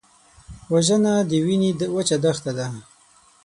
وژنه د وینې وچه دښته ده